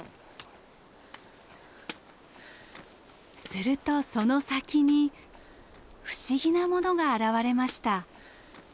するとその先に不思議なものが現れました。